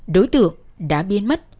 đối tượng đã biến mất